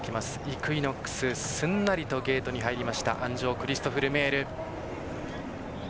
イクイノックス、すんなりとゲートに入りました鞍上クリストフ・ルメール。